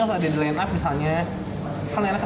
kalo ada di line up misalnya